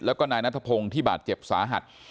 แล้วก็นายนัทพงศ์ที่บาดเจ็บสาหัส